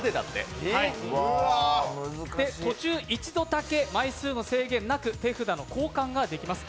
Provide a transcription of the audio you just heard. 途中、一度だけ枚数の制限なく手札の交換ができます。